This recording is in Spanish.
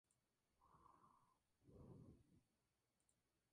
Michael Smith es sólo un atleta increíble y alguien miro hasta un montón.